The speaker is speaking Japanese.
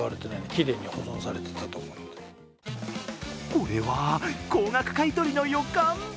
これは高額買い取りの予感！